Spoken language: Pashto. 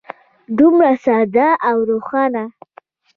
دومره ساده او روښانه.